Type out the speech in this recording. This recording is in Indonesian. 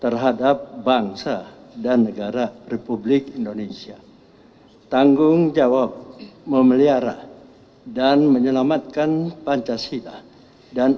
terhadap bangsa dan negara republik indonesia tanggung jawab memelihara dan menyelamatkan pancasila dan